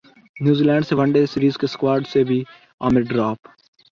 New Zealand سے one day series کے squad سے بھی عامر ڈراپ